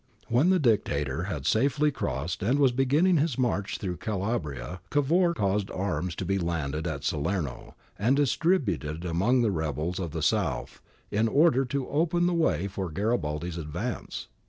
^ When the Dictator had safely crossed and was be ginning his march through Calabria, Cavour caused arms to be landed at Salerno and distributed among the rebels of the south ' in order to open out the way for Garibaldi's advance.